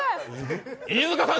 飯塚さん